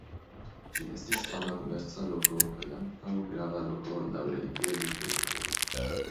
Ĝi estis fama komerca loko kaj ankaŭ grava loko laŭ religiaj vidpunktoj.